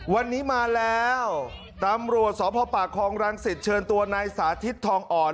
วันนี้มาแล้วตำรวจสพปากคลองรังสิตเชิญตัวนายสาธิตทองอ่อน